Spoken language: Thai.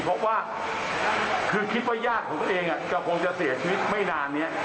เพราะว่าคือคิดว่าญาติของตัวเองจะคงจะเสียชีวิตไม่นานนี้